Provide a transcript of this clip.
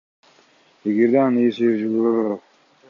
эгерде анын ээси жер үчүн төлөбөй жатса.